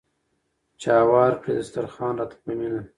چې هوار کړي دسترخوان راته په مینه